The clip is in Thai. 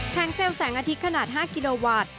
งเซลล์แสงอาทิตย์ขนาด๕กิโลวัตต์